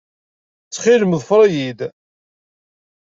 Ttxil-m, ḍfer-iyi-d.